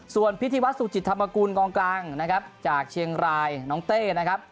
ส่วนพิธีวัฒนสุจิตธรรมกูลกองกลางนะครับจากเชียงรายน้องเต้นะครับ